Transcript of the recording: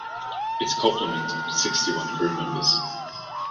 Its complement was sixty-one crew members.